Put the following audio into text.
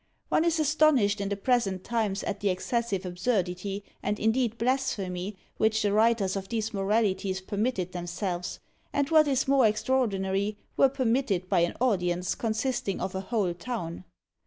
One is astonished in the present times at the excessive absurdity, and indeed blasphemy, which the writers of these Moralities permitted themselves, and, what is more extraordinary, were permitted by an audience consisting of a whole town.